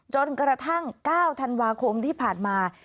จนกระทั่ง๙ธันวาคมที่ผ่านมา